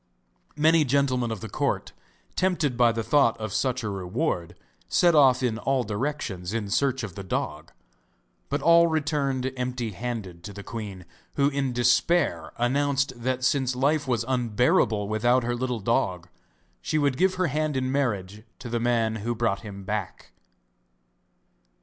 Many gentlemen of the court, tempted by the thought of such a reward, set off in all directions in search of the dog; but all returned empty handed to the queen, who, in despair announced that since life was unbearable without her little dog, she would give her hand in marriage to the man who brought him back.